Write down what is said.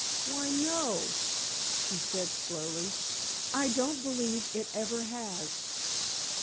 "Why, no," she said, slowly, "I don't believe it ever has."